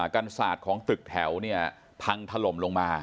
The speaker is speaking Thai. กันศาสตร์ของตึกแถวเนี่ยพังถล่มลงมา